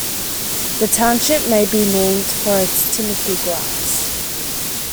The township may be named for its Timothy-grass.